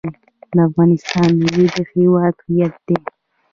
د افغانستان میوې د هیواد هویت دی.